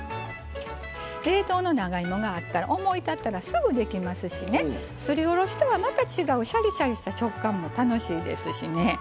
冷凍の長芋があったら思い立ったらすぐできますしすりおろしとはまた違うシャリシャリした食感も楽しいですしね。